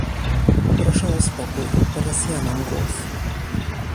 Proszę o spokój, teraz ja mam głos